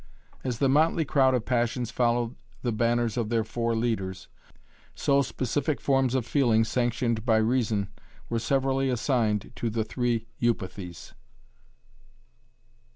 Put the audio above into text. As the motley crowd of passions followed the banners of their four leaders so specific forms of feeling sanctioned by reason were severally assigned to the three eupathies.